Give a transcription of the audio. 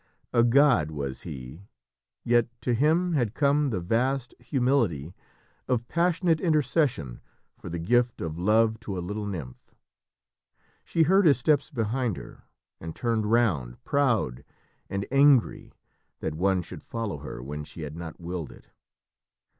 A god was he, yet to him had come the vast humility of passionate intercession for the gift of love to a little nymph. She heard his steps behind her and turned round, proud and angry that one should follow her when she had not willed it.